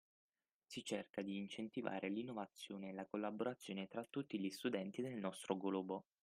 Si cerca di incentivare l’innovazione e la collaborazione tra tutti gli studenti del nostro globo.